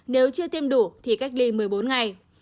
nếu chưa tiêm đủ thì cách ly một mươi bốn ngày